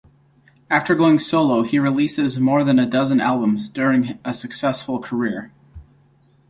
After going solo he released more than a dozen albums during a successful career.